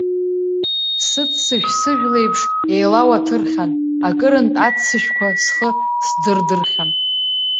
Сыццышә сыжәлеиԥш еилауаҭырхьан, акырынтә аццышәқәа схы сдырдырхьан.